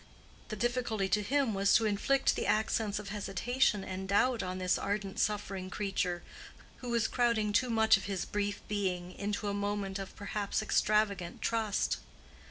The difficulty to him was to inflict the accents of hesitation and doubt on this ardent suffering creature, who was crowding too much of his brief being into a moment of perhaps extravagant trust.